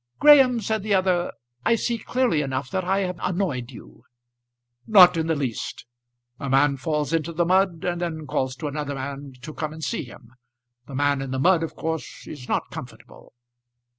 "Graham," said the other, "I see clearly enough that I have annoyed you." "Not in the least. A man falls into the mud, and then calls to another man to come and see him. The man in the mud of course is not comfortable."